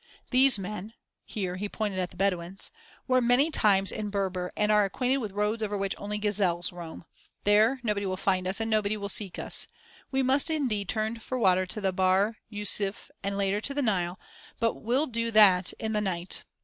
These men (here he pointed at the Bedouins) were many times in Berber and are acquainted with roads over which only gazelles roam. There nobody will find us and nobody will seek us. We must indeed turn for water to the Bahr Yûsuf and later to the Nile, but will do that in the night.